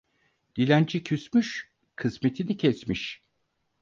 Dilenci küsmüş, kısmetini kesmiş.